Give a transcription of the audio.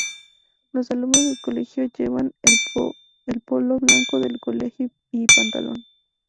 Los alumnos del colegio llevan el polo blanco del colegio y pantalón.